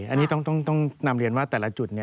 อันนี้ต้องนำเรียนว่าแต่ละจุด